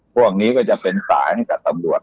พวกนี้ก็จะเป็นสายให้กับตำรวจ